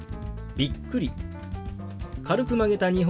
「びっくり」。